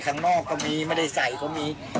ข้างนอกก็มีไม่ได้ใส่ก็มี